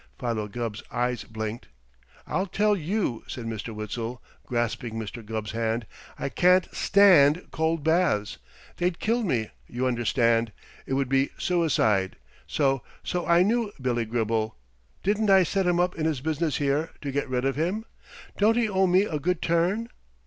Philo Gubb's eyes blinked. "I'll tell you," said Mr. Witzel, grasping Mr. Gubb's hand. "I can't stand cold baths. They'd kill me, you understand. It would be suicide! So so I knew Billy Gribble. Didn't I set him up in business here, to get rid of him? Don't he owe me a good turn?"